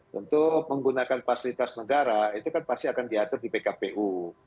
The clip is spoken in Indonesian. tentu menggunakan fasilitas negara itu kan pasti akan diatur di pkpu